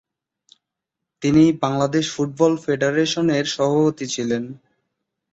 তিনি বাংলাদেশ ফুটবল ফেডারেশনের সভাপতি ছিলেন।